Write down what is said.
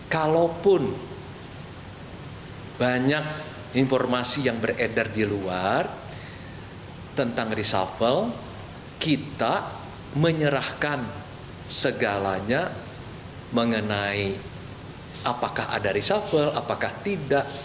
kita menyerahkan segalanya mengenai apakah ada reshuffle apakah tidak